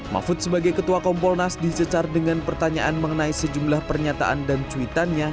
mahfud sebagai ketua kompolnas disecar dengan pertanyaan mengenai sejumlah pernyataan dan cuitannya